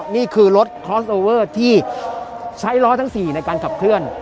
นี่คือรถคลอสโอเวอร์ที่ใช้ล้อทั้ง๔ในการขับเคลื่อน